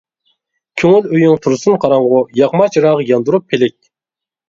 كۆڭۈل ئۆيۈڭ تۇرسۇن قاراڭغۇ، ياقما چىراغ ياندۇرۇپ پىلىك.